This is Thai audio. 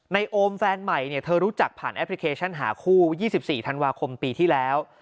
โอมแฟนใหม่เนี่ยเธอรู้จักผ่านแอปพลิเคชันหาคู่๒๔ธันวาคมปีที่แล้ว